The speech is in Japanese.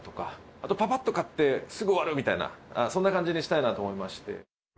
あと、ぱぱっと買ってすぐ終わるみたいな、そんな感じにしたいなと思いまして。